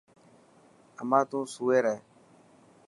اما تو سوئي رهي.